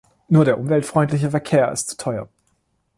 Nur der umweltfreundliche Verkehr ist zu teuer.